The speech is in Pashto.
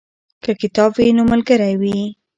که کتاب وي نو ملګری وي.